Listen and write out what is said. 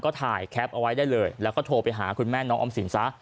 ก็ถ่ายแคปเอาไว้ได้เลยแล้วก็โทรไปหาคุณแม่น้องออมสินซะ